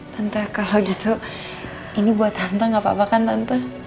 tante kalau gitu ini buat tante gak apa apa kan tante